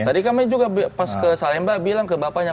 tadi kami juga pas ke salemba bilang ke bapaknya